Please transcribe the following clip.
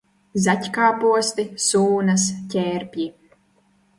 Zaķkāposti, sūnas, ķērpji.